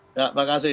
ya terima kasih